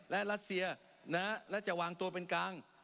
และรัสเซียและจะวางตัวเป็นกลาง